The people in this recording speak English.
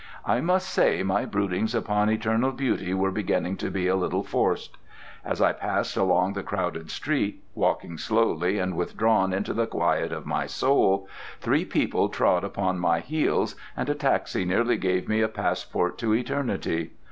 I must say my broodings upon eternal beauty were beginning to be a little forced. As I passed along the crowded street, walking slowly and withdrawn into the quiet of my soul, three people trod upon my heels and a taxi nearly gave me a passport to eternity.